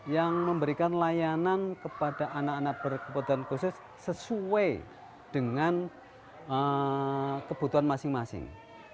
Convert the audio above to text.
yang memberikan layanan kepada anak anak berkebutuhan khusus sesuai dengan kebutuhan masing masing